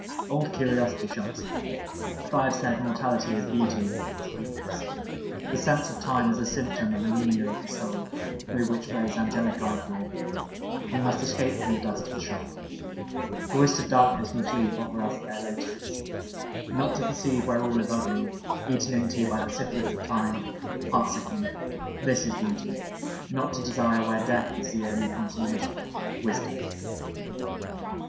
Old Curiosity Shops ! If I have said " Mortality is beauty," it was a weakness. The sense of time is a symptom of anaemia of the soul, through which flows angelic ichor. We must escape from the dust of the shop. Cloistered darkness and sleep oflter us their lotuses. Not to per ceive where all is ugly, eaten into by the syphilis of time, heart sickening — this is beauty ; not to desire where death is the only con summation — wisdom